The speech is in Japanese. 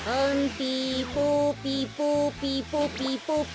ピポピポピポピポペ。